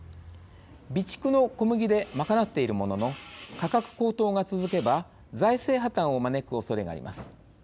備蓄の小麦で賄っているものの価格高騰が続けば財政破綻を招くおそれがあります。